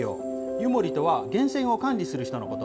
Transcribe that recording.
湯守とは、源泉を管理する人のこと。